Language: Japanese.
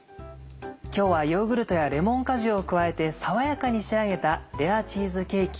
今日はヨーグルトやレモン果汁を加えて爽やかに仕上げたレアチーズケーキ。